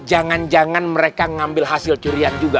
jangan jangan mereka ngambil hasil curian juga